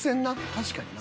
確かにな。